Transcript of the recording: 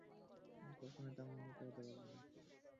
আমি কখনোই তার মনমতো হতে পারব না।